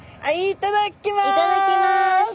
いただきます！